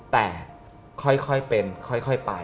แต่ค่อยเป็นค่อยไป